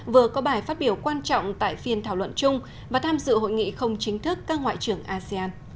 vừa có bài phát biểu quan trọng tại phiên thảo luận chung và tham dự hội nghị không chính thức các ngoại trưởng asean